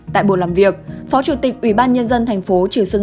tại buổi làm việc phó chủ tịch ubnd tp cn